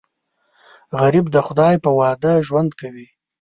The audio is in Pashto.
غریب د خدای په وعده ژوند کوي